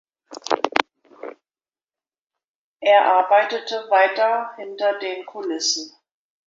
Er arbeitete weiter hinter den Kulissen.